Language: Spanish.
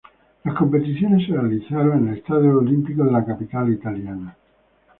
Las competiciones se realizaron en el Estadio Olímpico de la capital italiana.